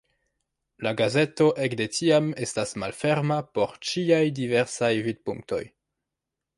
La gazeto ekde tiam estas malferma por ĉiaj diversaj vidpunktoj.